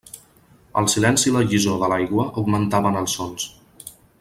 El silenci i la llisor de l'aigua augmentaven els sons.